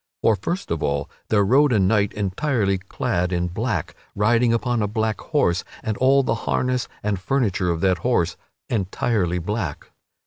For first of all there rode a knight entirely clad in black, riding upon a black horse, and all the harness and furniture of that horse entirely of black.